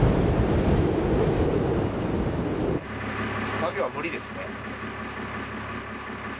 作業は無理ですね。